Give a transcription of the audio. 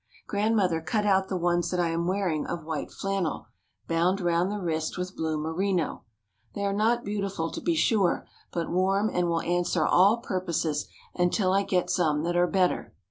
Grandmother cut out the ones that I am wearing of white flannel, bound round the wrist with blue merino. They are not beautiful to be sure, but warm and will answer all purposes until I get some that are better.